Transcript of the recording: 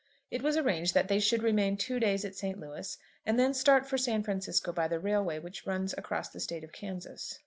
It was arranged that they should remain two days at St. Louis, and then start for San Francisco by the railway which runs across the State of Kansas.